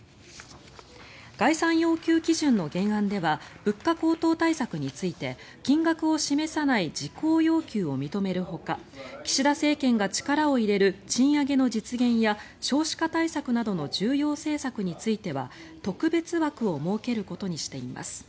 概算要求基準の原案では物価高騰対策について金額を示さない事項要求を認めるほか岸田政権が力を入れる賃上げの実現や少子化対策などの重要政策については特別枠を設けることにしています。